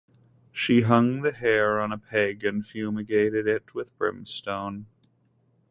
She hung the hair on a peg and fumigated it with brimstone.